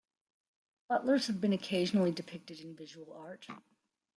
Butlers have been occasionally depicted in visual art.